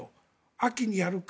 秋にやるか。